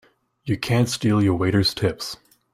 You can't steal your waiters' tips!